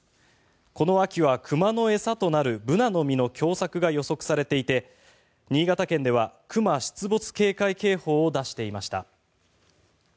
この秋は熊の餌となるブナの実の凶作が予想されていて新潟県ではクマ出没警戒警報を出していました。